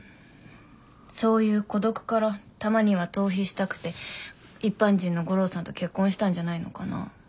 そういう孤独からたまには逃避したくて一般人の悟郎さんと結婚したんじゃないのかな。